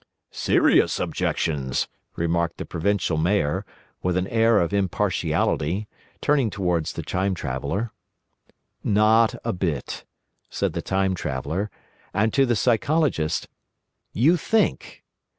"Serious objections," remarked the Provincial Mayor, with an air of impartiality, turning towards the Time Traveller. "Not a bit," said the Time Traveller, and, to the Psychologist: "You think.